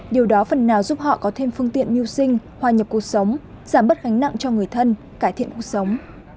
điều đó phần nào giúp họ có thêm phương tiện miêu sinh hoa nhập cuộc sống giảm bất gánh nặng cho người thân cải thiện cuộc sống